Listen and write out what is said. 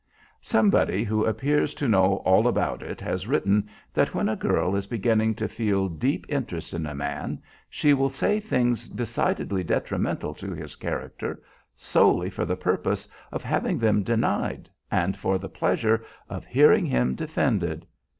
Somebody who appears to know all about it has written that when a girl is beginning to feel deep interest in a man she will say things decidedly detrimental to his character solely for the purpose of having them denied and for the pleasure of hearing him defended.